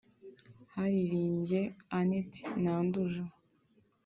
haririmbye Annette Nandujja